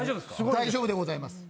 大丈夫でございます。